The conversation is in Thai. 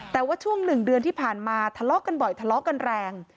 แต่ว่าช่วง๑เดือนที่ผ่านมาทะเลาะกันบ่อยทะเลาะกันแรง